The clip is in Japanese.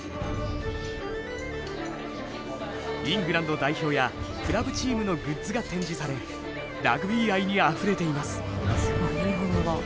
イングランド代表やクラブチームのグッズが展示されラグビー愛にあふれています。